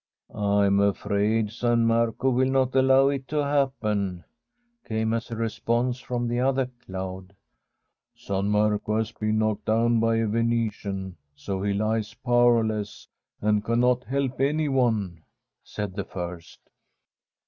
' I am afraid San Marco will not allow it to happen,' came as a response from the other cloud. ' San Marco has been knocked down by a Venetian, so he lies powerless, and cannot help anyone,' said the first.